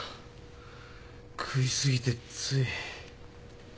食いすぎてつい。